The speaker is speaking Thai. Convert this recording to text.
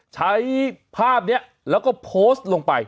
ใช้ภาพนี้แล้วก็โพสต์ลงไป